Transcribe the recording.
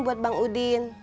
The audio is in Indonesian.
buat bang udin